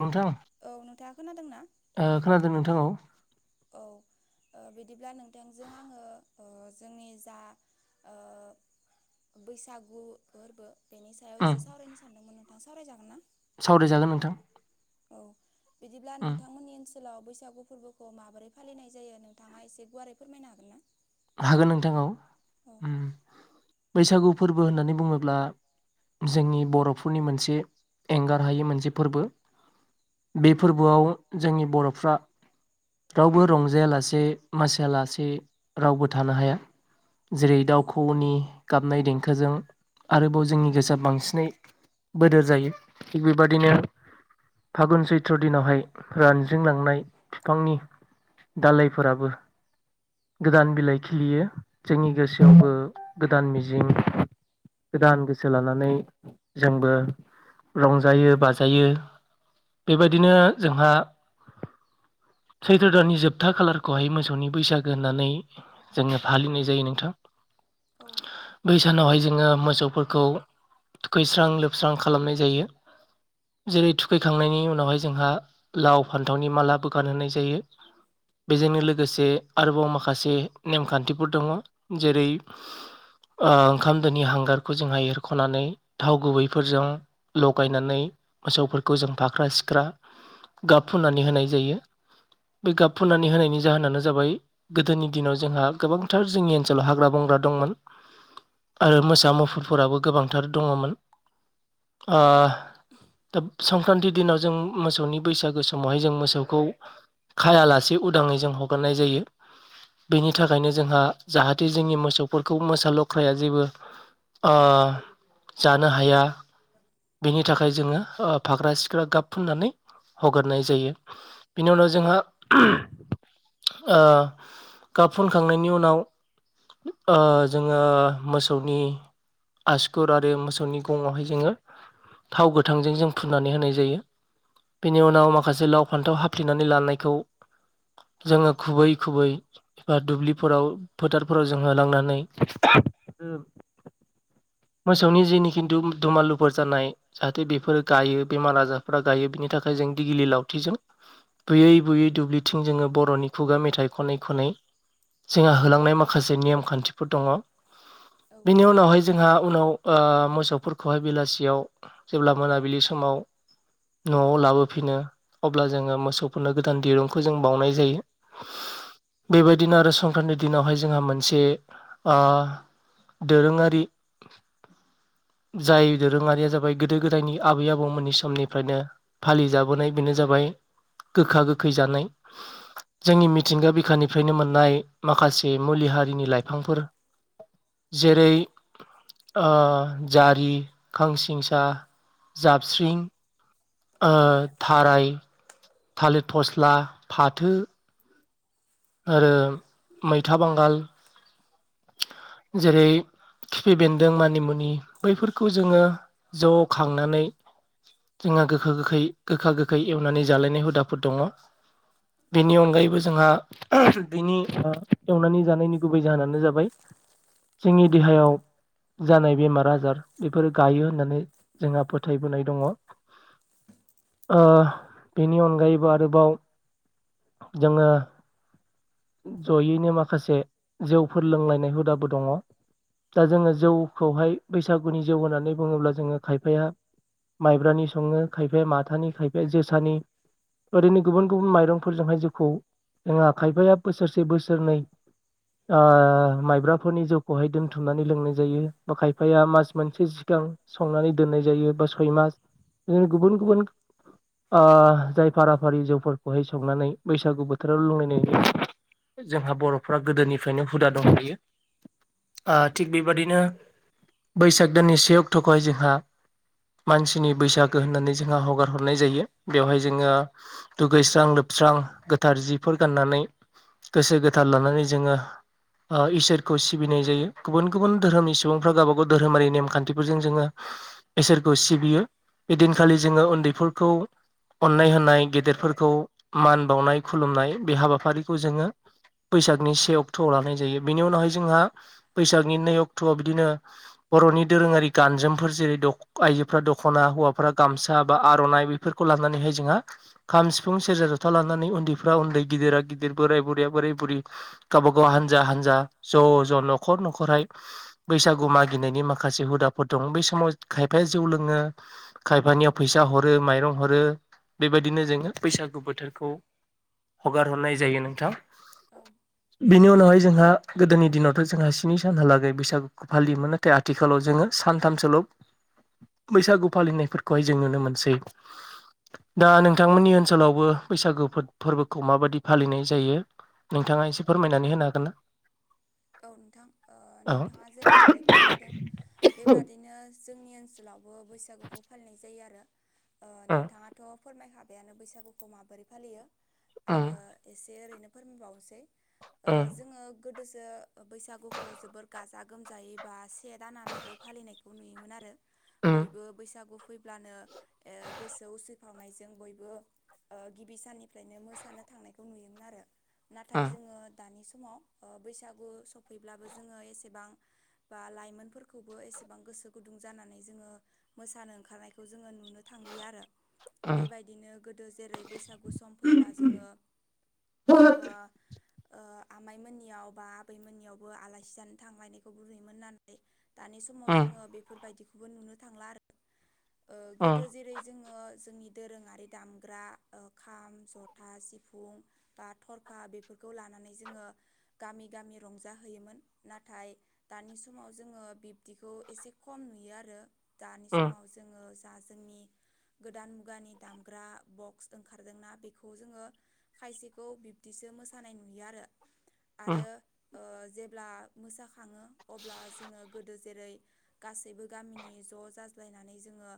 नोंथां ओ खोनादों नोंथां औ। जोंनि जा ओ बैसागु फोरबो बेनि सायाव एसे सावरायनो सानदोंमोन नोंथां। सावरायजागोन ना? सावरायजागोन नोंथां औ बिदिब्ला नोंथांमोननि ओनस ओनसोलाव बैसागु फोरबोखौ माबोरै फालिनाय जायो नोंथाङा एसे गुवारै फोरमायनो हागोन ना हागोन नोंथां औ उम बैसागु फोरबो होननानै बुङोब्ला जोंनि बर'फोरनि मोनसे एंगार हायि मोनसे फोरबो बे फोरबोआव जोंनि बर'फ्रा रावबो रंजायालासे मासिया लासे रावबो थानो हाया जेरै दाउखौऔनि गाबनाय देंखोजों आरोबाव जोंनि गोसोआ बांसिनै बोदोर जायो बेबादिनो फागुन सैत्र दिनावहाय रानजिंलांनाय बिफांनि दालायफोराबो गोदान बिलाइ खिलियो जोंनि गोसोआवबो गोदान मिजिं गोदान गोसो लानानै जोंबो रंजायो बाजायो बेबायदिनो जोंहा सैथ्र' दाननि जोबथा खालारखौहाय मोसौनि बैसागो होननानै जोङो फालिनाय जायो नोंथां बै सानावहाय जोङो मोसौफोरखौ खैस्रां लोबस्रां खालामनाय जायो जेरै थुखैखांनायनि उनावहाय जोंहा लाव फान्थावनि माला बो गानहोनाय जायो बेजोंनो लोगोसे आरोबाव माखासे नेमखान्थिफोर दङ जेरै ओंखाम दोनि हांगारखौ जोंहा एरख'नानै थाव गुबैफोरजों लगायनानै मोसौफोरखौ जों फाख्रा सिख्रा गाब फुनानै होनाय जायो बे गाब फुनानै होनायनि जाहोनानो जाबाय गोदोनि दिनाव जोंहा गोबांथार जोंनि ओनसोलाव हाग्रा बंग्रा दंमोन आरो मोसा मुफुरफोराबो गोबांथार दङमोन ओ दा संक्रान्ति दिनाव जों मोसौनि बैसागो समावहाय जों मोसौखौ खायालासे उदाङै जों हगारनाय जायो बेनि थाखायनो जोंहा जाहाथे जोंनि मोसौफोरखौ मोसा लख्राया जेबो जानो हाया बेनि थाखाय जोङो फाग्रा सिख्रा गाब फुननानै हगारनाय जायो बिनि उनाव जोंहा गाब फुनखांनायनि उनाव जोङो मोसौनि आसुगुर आरो मोसौनि गङावहाय जोङो थाव गोथांजों जों फुननानै होनाय जायो बेनि उनाव माखासे लाव फान्थाव हाफ्लिनानै लानायखौ जोङो खुबै बा दुब्लिफोराव फोथारफोराव जोङो लांनानै [inaudible] मोसौनि जेनिखिथु दमालुफोर जानाय जाहाथे बेफोरो गायो बेमार आजारफ गायो बिनि थाखाय थाखाय जों दिगिलि लावथिजों बुयै बुयै दुब्लिथिं जोङो बर'नि खुगा मेथाइ खनै खनै जोंहा होलांनाय माखासे नेयम खान्थिफोर दङ बेनि उनावहाय जोंहा उनाव मोसौफोरखौहाय बेलासियाव जेब्ला मोनाबिलि समाव न'वाव लाबोफिनो अब्ला जोङो मोसौफोरनो गोदान दिरुंखौ जों बाउनाय जायो बेबायदिनो आरो संक्रान्ति दिनावहाय जोंहा मोनसे दोरोङारि [inaudible] जाय दोरोङारिया जाबाय गोदो गोदायनि आबै आबौमोननि समनिफ्रायनो फालि जाबोनाय बेनो जाबाय गोखा गोखै जानाय जोंनि मिथिंगा बिखानिफ्रायनो मोननाय माखासे मुलि हारिनि लाइफांफोर जेरै ओ जारि खांसिंसा जाबस्रिं थाराय थालिर फस्ला फाथो आरो मैथा बांगाल जेरै खिफि बेन्दों मानिमुनि बैफोरखौ जोङो ज खांनानै जोंहा गोखा गोखै गोखा गोखै एवनानै जालायनाय हुदाफोर दङ। बेनि अनगायैबो जोंहा बेनि एवनानै जानायनि गुबै जाहोनानो जाबाय जोंनि देहायाव जानाय बेमार आजार बेफोरो गायो होननानै जोंहा फोथायबोनाय दङ। ओ बेनि अनगायैबो आरोबाव जोङो जयैनो माखासे जौफोर लोंलायनाय हुदाबो दङ। दा जोङो जौखौहाय बैसागुनि जौ होननानै बुङोब्ला जोङो खायफाया माइब्रानि सङो खायफाया माथानि खायफाया जोसानि बेबदिनो गुबुन गुबुन माइरंफोरजोंहाय जेखौ जोंहा खायफाया बोसोरसे बोसोरनै माइब्राफोरनि जौखौहाय दोनथुमनानै लोंनाय जायो बा खायफाया मास मोनसे जिगां संनानै दोननाय जायो बा सय मास बिदिनो गुबुन गुबुन जाय फाराफारि जौफोरखौहाय संनानै बैसागु बोथोराव लोंलायनाय जोंहा बर'फोरा गोदोनिफ्रायनो हुदा दं बियो ओ थिग बेबादिनो बैसाग दाननि से अक्टखौहाय जोंहा मानसिनि बैसागो होननानै जोंहा हगार हरनाय जायो बेवहाय जोङो दुगैस्रां लोब स्रां गोथार जिफोर गाननानै गोसो गोथार लानानै जोङो इसोरखौ सिबिनाय जायो गुबुन गुबुन धोरोमनि सुबुंफ्रा गावबा गाव धोरोमारि नेमखान्थिफोरजों जोङो इसोरखौ सिबियो बेदिनखालि जोङो उन्दैफोरखौ अन्नाय होननाय गेदेरफोरखौ मान बावनाय खुलुमनाय बे हाबाफारि जों बैसागनि से अक्ट' लाव लानाय जायो बेनि उनावहाय जोंहा बैसागनि नै अक्ट'आव बिदिनो बर'नि दोरोङारि गानजोमफोर जेरै आइजोफोरा दख'ना हौवाफोरा गामसा बा आर'नाइ बेफोरखौ लानानैहाय जोंहा खाम, सिफुं, सेरजा, जथा लानानै उन्दैफ्रा उन्दै गिदिरा गिदिर बोराय बुरैया बोरै बुरै गावबा गाव हानजा हानजा ज' ज' न'खर न'खरहाय बैसागु मागिनायनि माखासे हुदाफोर दं बेै समाव खायफाया जौ लोङो खायफानियाव फैसा ह हरो माइरं हरो बेबायदिनो जोङो बैसागु बोथोरखौ हगार हरनाय जायो नों बिनि उनावहाय जोंहा गोदोनि दिनावथ' जोंहा स्नि सानहालागै बैसागुखौ फालियोमोन। नाथाय आथिखालाव जोङो सानथामसोल' बैसागु फालिनायफोरखौहाय जों नुनो मोनसै दा नोंथांमोननि ओनसोलावबो बैसागु फोरबोखौ माबायदि फालिनाय जायो नोंथाङा एसे फोरमायनानै होनो हागोन ना? औ नोंथां नोंथाङा जेरैबायदि फोरमायदों बेबादिनो जोंनि ओनसोलावबो बैसागुखौ फालिनाय जायो आरो नोंथाङाथ' फोरमायखाबायानो बैसागुखौ माबोरै फालियो आङो एसे एसे ओरैनो फोरमायबावनोसै जोङो गोदोसो बैसागुखौ जोबोर गाजा गोमजायै बा से दानालागै फालिनायखौ नुयोमोन आरो बयबो बैसागु फैब्लानो गोसोआव उसिफावनायजों बयबो गिबि साननिफ्रायनो मोसानो थांनायखौ नुयोमोन आरो नाथाय जोङो दानि समाव बैसागु सफैब्लाबो जोङो एसेबां बा लाइमोनफोरखौबो एसेबां गोसो गुदुं जानानै जोङो मोसानो ओंखारनायखौ जोङो नुनो थांलिया आरो बेबायदिनो गोदो जेरै बैसागु सम फैब्ला जोङो ओ ओ आमाइमोननियाव बा आबैमोननियावबो आलासि जानो थांलायनायखौबो नुयोमोन आरोखि दानि समाव जोङो बेफोरबायदिखौबो नुनो थांला आरो ओ गोदो जेरै जोङो जोंनि दोरोङारि दामग्रा खाम जथा सिफुं बा थरखा बेफोरखौ खौ लानानै जोङो गामि गामि रंजाहोयोमोन नाथाय दानि समाव जोङो बिब्दिखौ एसे खम नुयो आरो दानि समाव जोङो जा जोंनि गोदान मुगानि दामग्रा बक्स ओंखारदोंना बेखौ जोङो खायसेखौ बिबदि जों मोसानाय नुयो आरो जेब्ला मोसाखांङो अब्ला जोङो गोदो जेरै गासैबो गामिनि ज' जाज्लायनानै जोङो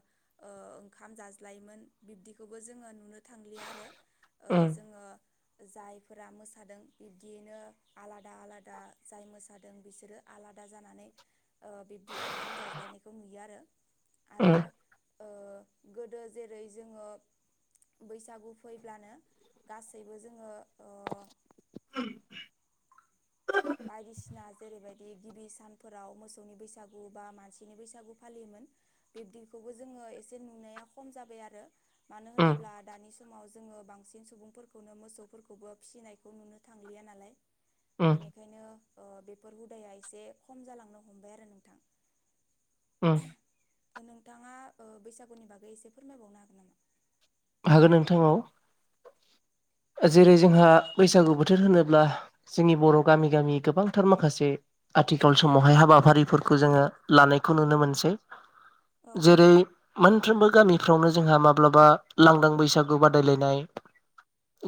ओंखाम जाज्लायोमोन बिब्दिखौबो जोङो नुनो थांलिया आरो जोङो जायफोरा मोसादों बिब्दियैनो आलादा आलादा आलादा जाय मोसादों बिसोरो आलादा जानानै बिब्दि ओंखाम जाज्लायनायखौ नुयो आरो आरो ओ गोदो जेरै जोङो बैसागु फैब्लानो गासैबो जोङो ओ [unintelligible] बायदिसिना जेरैबायदि गिबि सानफोराव मोसौनि बैसागु बा मानसिनि बैसागु फालियोमोन बिब्दिखौबो जोङो एसे नुनाया खम जाबाय आरो मानो होनोब्ला दानि समाव समाव जोङो बांसिन सुबुंफोरखौनो मोसौफोरखौबो फिसिनायखौ नुनो थांलिया नालाय उम बेनिखायनो ओ बेफोर हुदाया एसे खम जालांनो हमबाय आरो नोंथां उम नोंथाङा ओ बैसागुनि बागै एसे फोरमायबावनो हागोन नामा? हागोन नोंथां औ जेरै जोंहा बैसागु बोथोर होनोब्ला जोंनि बर' गामि गामि गोबांथार माखासे आथिखाल समावहाय हाबाफारिफोरखौ जोङो लानायखौ नुनो मोनसै जेरै मोनफ्रोमबो गामिफ्रावनो जोंहा माब्लाबा लांदां बैसागु बादायलायनाय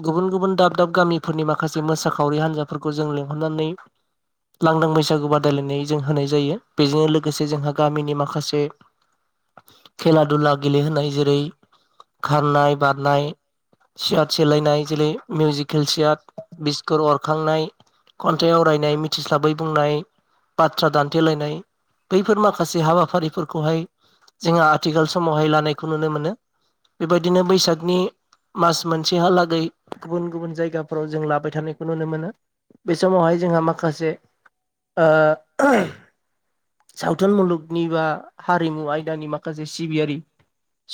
गुबुन गुबुन दाब दाब गामिफोरनि माखासे मोसाखावरि हान्जाफोरखौ जों लिंहरनानै लांदां बैसा बैसागु बादायलायनाय जों होनाय जायो बेजों लोगोसे जोंहा गामिनि माखासे खेला धुला गेलेहोनाय जेरै खाननाय बारनाय सियार सेलायनाय जेरै मिउजिकेल सियार बिस्कुट अरखांनाय खन्थाइ आवरायनाय मिथिस्लाबै बुंनाय बाथ्रा दानथेलायनाय बैफोर माखासे हाबाफारिफोरखौहाय जोंहा आथिखाल समावहाय लानायखौ नुनो मोनो बेबायदिनो बैसागनि मास मोनसेहालागै गुबुन गुबुन जायगाफोराव जों लाबाय थानायखौ नुनो मोनो बे समावहाय जोंहा माखासे माखासे ओ सावथुन मुलुगनि बा हारिमु आयदानि माखासे सिबियारि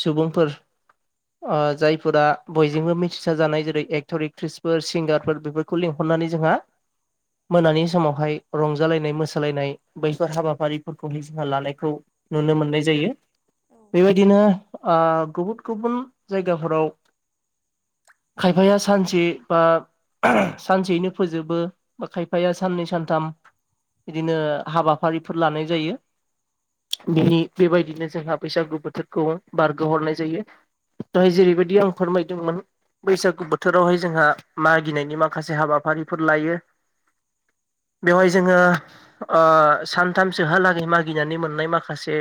सुबुंफोर ओ जायफोरा बयजोंबो मिथिसार जानाय जेरै एक्टर एक्ट्रिसफोर सिंगारफोर बेफोरखौ लिंहरनानै जोंहा मोनानि समावहाय रंजालायनाय मोसालायनाय बैफोर हाबाफारिफोरखौहाय जोंहा लानायखौ नुनो मोननाय जायो बेबायदिनो ओ गुबुन गुबुन जायगाफोराव [inaudible] खायफाया सानसे बा सानसेयैनो फोजोबो बा खायफाया साननै सानथाम बिदिनो हाबाफारिफोर लानाय जायो बिनि बेबायदिनो जोंहा बैसागु बोथोरखौ बारगो हरनाय जायो दहाय जेरैबायदि आं फोरमायदोंमोन बैसागु बोथोरावहाय जोंहा मागिनायनि माखासे हाबाफारिफोर लायो बेवहाय जोङो सान साथामसोहालागै मागिनानै मोननाय माखासे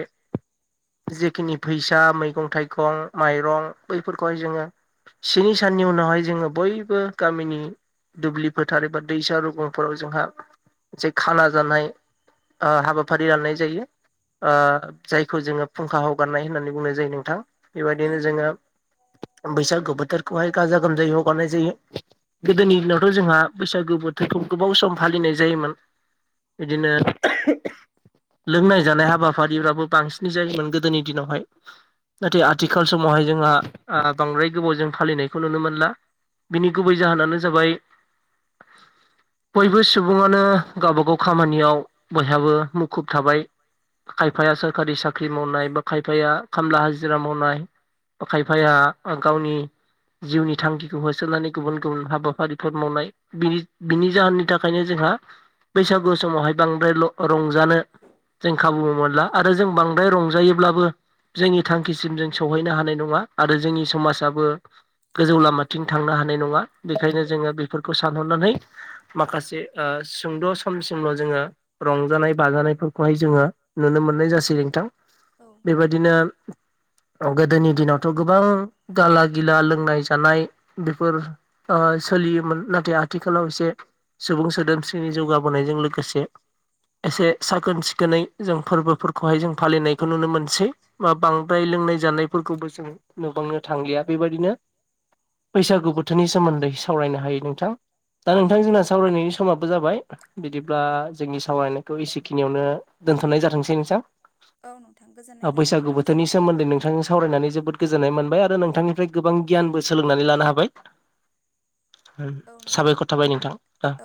जेखिनि फैसा मैगं थाइगं माइरं बैफोरखौहाय जोङो स्नि साननि उनावहाय जोङो बयबो गामिनि दुब्लि फोथार ए बा दैसा रुगुंफोराव जोंहा जे खाना जानाय हाबाफारि राननाय जायो जायखौ जोङो फुंखा हगारनाय बुंनाय जायो नोंथां बेबायदिनो जोङो बैसागो बोथोरखौहाय गाजा गोमजायै हगारनाय जायो गोदोनि दिनावथ' जोंहा बैसागो बोथोर गोबाव सम फालिनाय जायोमोन बिदिनो लोंनाय जानाय हाबाफारिफ्राबो बांसिन जायोमोन गोदोनि दिनावहाय नाथाय आथिखाल समावहाय जोंहा बांद्राय गोबाव जों फालिनायखौ नुनो मोनला बिनि गुबै जाहोनानो जाबाय [inaudible] बयबो सुबुङानो गावबा गाव खामानियाव बयहाबो मुखुब थाबाय खायफाया सोरखारि साख्रि मावनाय बा खायफाया खामला हाजिरा मावनाय खायफाया गावनि जिउनि थांखिखौ होसोनानै गुबुन गुबुन हाबाफारिफोर मावनाय बिनि जाहोननि थाखायनो जोंहा बैसागु समावहाय बांद्राय रंजानो जों खाबु मोनला आरो जों बांद्राय रंजायोब्लाबो जोंनि थांखिसिम जों सौहैनो हानाय नङा आरो जोंनि समाजाबो गोजौ लामाथिं थांनो हानाय नङा बेखायनो जोङो बेफोरखौ सानहरनानै माखासे सुंद' समसिमल' जोङो रंजानाय बाजानायफोरखौहाय जोङो नुनो मोननाय जासै नोंथां बेबायदिनो गोदोनि दिनावथ' गोबां गाला गिला लोंनाय जानाय बेफोर सोलियोमोन नाथाय आथिखालाव एसे सुबुं सोदोमस्रिनि जौगाबोनायजों लोगोसे एसे साखोन सिखोनै जों फोरबोफोरखौहाय जों फालिनायखौ नुनो मोनसै बा बांद्राय सोलोंनाय जानायफोरखौबो जों नुबांनो थां गैया बेबायदिनो बैसागु बोथोनि सोमोन्दै सावरायनो हायो नोंथां दा नोंथां जोंना सावरायनायनि समाबो जाबाय बिदिब्ला जोंनि सावरायनायखौ एसेखिनियावनो दोनथनाय जाथोंसै नोंसां बैसागु बोथोरनि सोमोन्दै नोंथांजों सावरायनानै जोबोद गोजोननाय मोनबाय आरो नोंथांनिफ्राय गोबां गियानबो सोलोंनानै लानो हाबाय साबायख'र थाबाय नोंथां